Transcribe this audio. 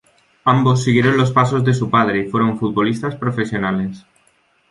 Ambos siguieron los pasos de su padre y fueron futbolistas profesionales.